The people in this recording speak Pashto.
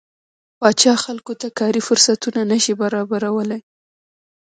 پاچا خلکو ته کاري فرصتونه نشي برابرولى.